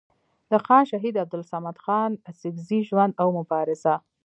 د خان شهید عبدالصمد خان اڅکزي ژوند او مبارزه